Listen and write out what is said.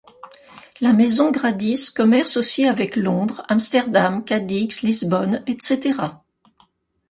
La Maison Gradis commerce aussi avec Londres, Amsterdam, Cadix, Lisbonne, etc.